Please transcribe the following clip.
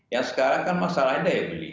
yang sekarang kan masalahnya daya beli